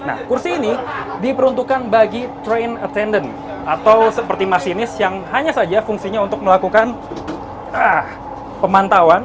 nah kursi ini diperuntukkan bagi train attendant atau seperti masinis yang hanya saja fungsinya untuk melakukan pemantauan